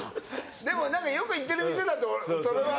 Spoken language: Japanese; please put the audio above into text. でもよく行ってる店だとそれは。